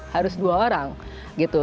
harus dua orang gitu